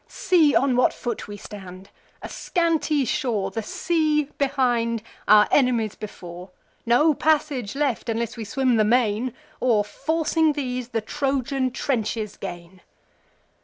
See on what foot we stand: a scanty shore, The sea behind, our enemies before; No passage left, unless we swim the main; Or, forcing these, the Trojan trenches gain."